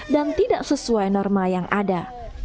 dan tidak sesuai norma yang ada